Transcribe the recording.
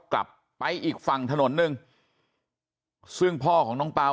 กลับไปอีกฝั่งถนนหนึ่งซึ่งพ่อของน้องเปล่า